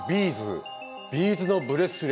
ビーズのブレスレットだ。